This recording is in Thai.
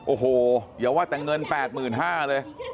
โอ้โหอย่าว่าแต่เงิน๘๕๐๐เลย